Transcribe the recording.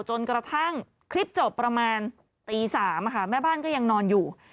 จนกระทั่งคลิปจบประมาณตี๓แม่บ้านก็ยังนอนอยู่